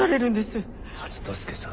初之助さん。